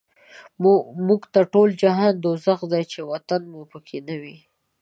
موږ ته ټول جهان دوزخ دی، چی وطن مو په کی نه وی